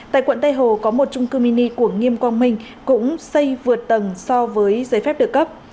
tại quận tây hồ có một trung cư mini của nghiêm quang minh cũng xây vượt tầng so với giấy phép được cấp